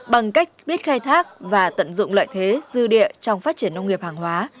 bằng cách biết khai thác và tận dụng lợi thế dư địa trong phát triển nông nghiệp hàng hóa